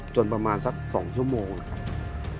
ประมาณสัก๒ชั่วโมงนะครับ